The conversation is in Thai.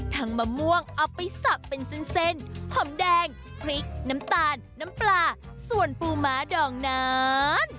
มะม่วงเอาไปสับเป็นเส้นหอมแดงพริกน้ำตาลน้ำปลาส่วนปูม้าดองนั้น